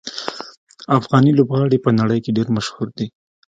افغاني لوبغاړي په نړۍ کې ډېر مشهور دي.